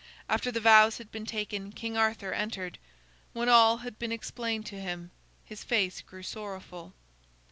After the vows had been taken, King Arthur entered. When all had been explained to him, his face grew sorrowful.